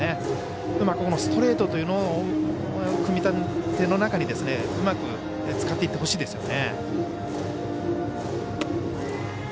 うまくストレートというのを組み立ての中にうまく使っていってほしいですね。